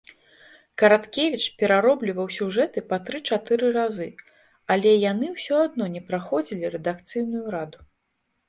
Караткевіч пераробліваў сюжэты па тры-чатыры разы, але яны ўсё адно не праходзілі рэдакцыйную раду.